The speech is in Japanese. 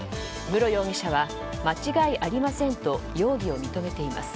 室容疑者は間違いありませんと容疑を認めています。